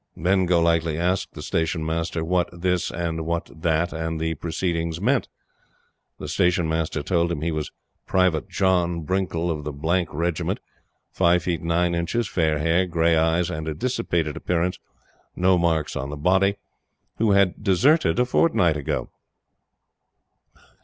Then Golightly asked the Station Master what the this and the that the proceedings meant. The Station Master told him he was "Private John Binkle of the Regiment, 5 ft. 9 in., fair hair, gray eyes, and a dissipated appearance, no marks on the body," who had deserted a fortnight ago.